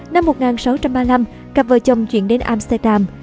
năm một nghìn sáu trăm ba mươi năm cặp vợ chồng chuyển đến amsterdam